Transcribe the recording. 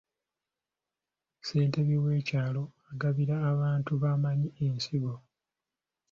Ssentebe w'ekyalo agabira abantu b'amanyi ensigo.